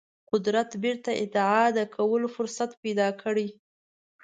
قدرت بیرته اعاده کولو فرصت پیدا نه کړي.